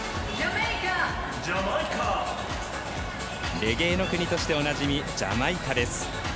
レゲエの国としておなじみ、ジャマイカです。